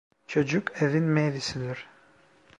Çocuk evin meyvesidir.